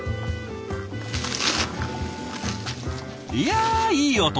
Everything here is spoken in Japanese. いやいい音！